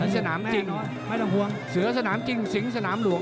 สิงค์สนามจิงรุ่นน้ำห่วง